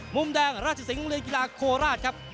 มุมแดงราชสิงห์เรียนกีฬาโคราชครับ